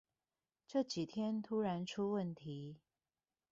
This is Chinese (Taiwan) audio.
這幾天突然出問題